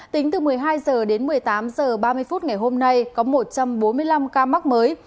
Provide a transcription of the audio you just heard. tính từ một mươi hai h đến một mươi tám h ba mươi phút ngày hôm nay có một trăm bốn mươi năm ca mắc mới